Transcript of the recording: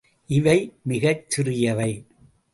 இவை மிகச் சிறியவை.